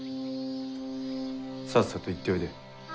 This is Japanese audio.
さっさと行っておいで。